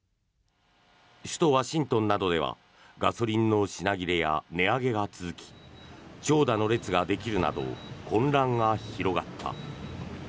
首都ワシントンなどではガソリンの品切れや値上げが続き長蛇の列ができるなど混乱が広がった。